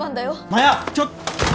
マヤちょっ！